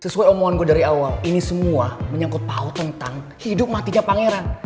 sesuai omonganku dari awal ini semua menyangkut paut tentang hidup matinya pangeran